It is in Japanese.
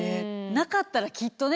なかったらきっとね